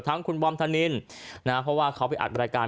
ทั้งคุณบอมธนินนะเพราะว่าเขาไปอัดรายการ